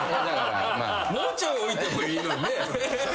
もうちょい置いてもいいのにね。